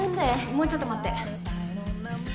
もうちょっと待って。